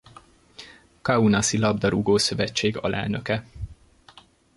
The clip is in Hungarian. Kaunasi Labdarúgó-szövetség alelnöke.